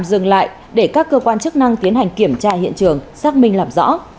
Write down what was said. các chiếc máy bay này phải tạm dừng lại để các cơ quan chức năng tiến hành kiểm tra hiện trường xác minh làm rõ